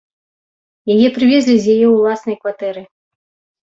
Яе прывезлі з яе ўласнай кватэры.